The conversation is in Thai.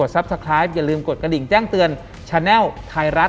หลังจากนั้นเราไม่ได้คุยกันนะคะเดินเข้าบ้านอืม